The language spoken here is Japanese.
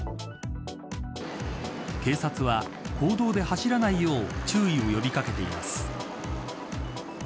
警察は、公道で走らないよう注意を呼び掛けています。